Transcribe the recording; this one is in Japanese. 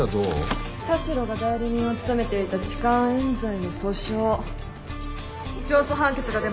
田代が代理人を務めていた痴漢冤罪の訴訟勝訴判決が出ました。